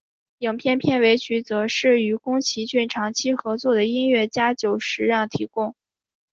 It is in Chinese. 影片片尾曲则是与宫崎骏长期合作的音乐家久石让提供。